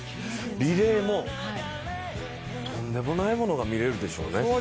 リレーも、とんでもないものが見れるでしょうね。